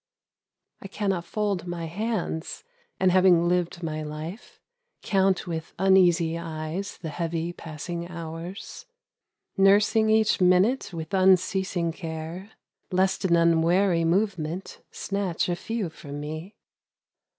I cannot fold my hands, and having lived my life Count with uneasy eyes the heavy, passing hours. Nursing each minute with unceasing care, Lest an unwary movement snatch a few from me.